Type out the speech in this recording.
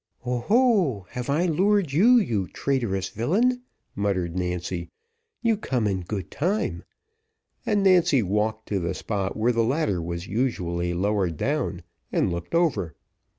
"Oh, ho! have I lured you, you traitorous villain?" muttered Nancy, "you come in good time:" and Nancy walked to the spot where the ladder was usually lowered down, and looked over.